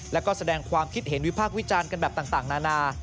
แล้วก็แสดงความคิดเห็นวิพากษ์วิจารณ์กันแบบต่างนานา